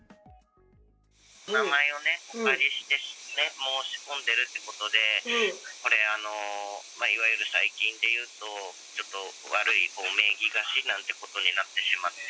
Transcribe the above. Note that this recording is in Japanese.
お名前をお借りして申し込んでるってことで、これ、いわゆる最近でいうと、ちょっと悪い名義貸しなんてことになってしまって。